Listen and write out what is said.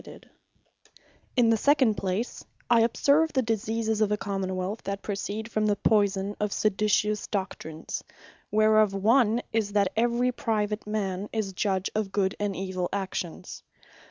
Private Judgement Of Good and Evill In the second place, I observe the Diseases of a Common wealth, that proceed from the poyson of seditious doctrines; whereof one is, "That every private man is Judge of Good and Evill actions."